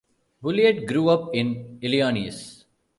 Bulliet grew up in Illinois.